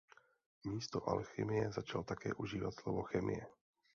Místo alchymie začal také užívat slovo chemie.